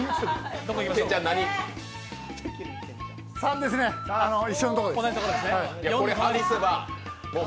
３ですね、一緒のところです。